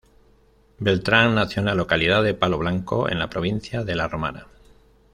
Beltrán nació en la localidad de Palo Blanco, en la provincia de La Romana.